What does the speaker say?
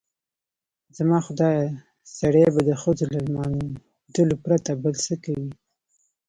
زما خدایه سړی به د ښځو له لمانځلو پرته بل څه کوي؟